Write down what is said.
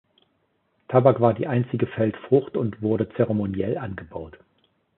Tabak war die einzige Feldfrucht und wurde zeremoniell angebaut.